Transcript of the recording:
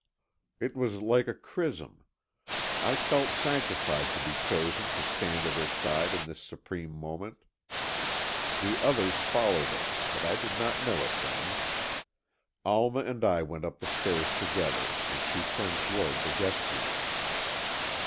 It was like a chrism; I felt sanctified to be chosen to stand at her side in this supreme moment. The others followed us, but I did not know it then. Alma and I went up the stairs together and she turned toward the guest room.